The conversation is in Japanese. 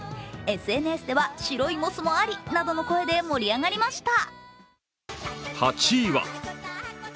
ＳＮＳでは白いモスもあり！などの声で盛り上がりました。